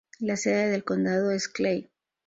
La sede del condado es Clay.